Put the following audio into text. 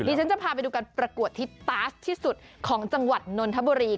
ฉันจะพาไปดูการประกวดที่ตาสที่สุดของจังหวัดนนทบุรี